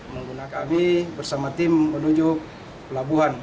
mengguna kami bersama tim menuju pelabuhan